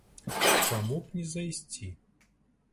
Чаму б не зайсці?